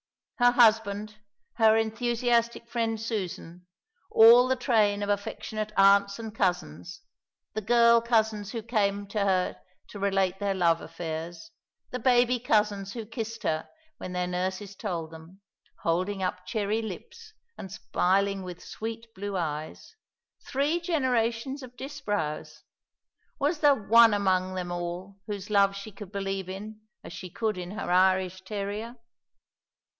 Her husband, her enthusiastic friend Susan, all the train of affectionate aunts and cousins the girl cousins who came to her to relate their love affairs; the baby cousins who kissed her when their nurses told them, holding up cherry lips, and smiling with sweet blue eyes three generations of Disbrowes! Was there one among them all whose love she could believe in as she could in her Irish terrier?